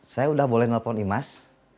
saya udah boleh nelpon imas